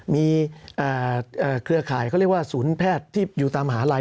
มีเครือข่ายเขาเรียกว่าศูนย์แพทย์ที่อยู่ตามมหาลัย